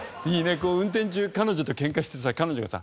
こう運転中彼女とケンカしてさ彼女がさ